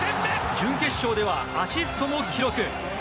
準決勝ではアシストも記録。